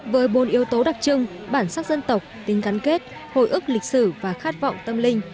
với bốn yếu tố đặc trưng bản sắc dân tộc tính gắn kết hồi ức lịch sử và khát vọng tâm linh